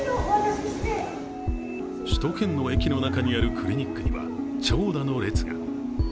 首都圏の駅の中にあるクリニックには長蛇の列が。